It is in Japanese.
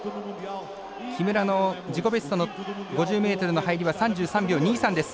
木村の自己ベストの５０ｍの入りは３３秒２３です。